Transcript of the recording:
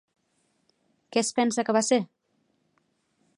Què es pensa que va ser?